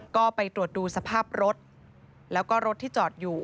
ก็ไปตรวจดูสภาพรถแล้วก็รถที่จอดอยู่